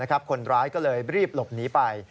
คนร้ายก็เลยรีบหลบหนีไป